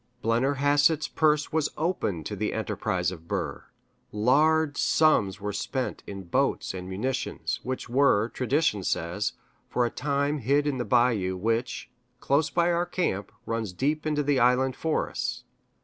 Blennerhassett's purse was opened to the enterprise of Burr; large sums were spent in boats and munitions, which were, tradition says, for a time hid in the bayou which, close by our camp, runs deep into the island forest.